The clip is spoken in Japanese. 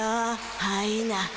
はいな。